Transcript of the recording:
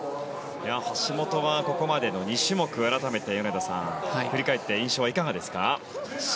橋本はここまでの２種目改めて米田さん振り返って、印象いかがですか？